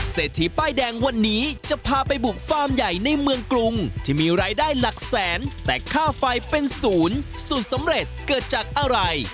เศรษฐีป้ายแดงวันนี้จะพาไปบุกฟาร์มใหญ่ในเมืองกรุงที่มีรายได้หลักแสนแต่ค่าไฟเป็นศูนย์สูตรสำเร็จเกิดจากอะไร